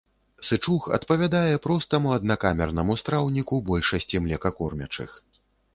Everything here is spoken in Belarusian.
Сычуг адпавядае простаму аднакамернаму страўніку большасці млекакормячых.